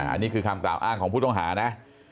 อันนี้คือคำกล่าวอ้างของผู้ต้องหานะ